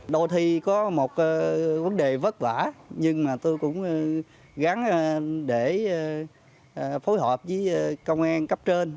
đôi khi có một vấn đề vất vả nhưng mà tôi cũng gắn để phối hợp với công an cấp trên